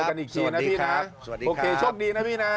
โอเคเจอกันอีกทีนะพี่นะสวัสดีครับโอเคโชคดีนะพี่นะ